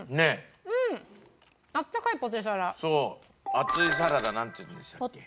熱いサラダなんていうんでしたっけ？